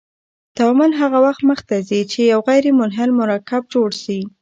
تعامل هغه وخت مخ ته ځي چې یو غیر منحل مرکب جوړ شي.